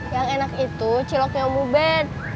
yang enak itu ciloknya om ubed